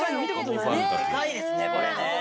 ないですね、これね。